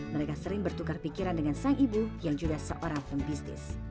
mereka sering bertukar pikiran dengan sang ibu yang juga seorang pembisnis